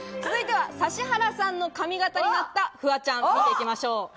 続いては『指原さんの髪形になったフワちゃん』、行きましょう。